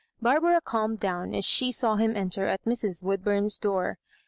Barbara calmed down as she saw him enter at Mrs. Woodburn's door.